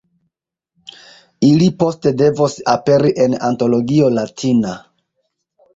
Ili poste devos aperi en Antologio Latina.